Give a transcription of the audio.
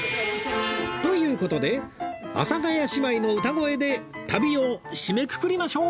という事で阿佐ヶ谷姉妹の歌声で旅を締めくくりましょう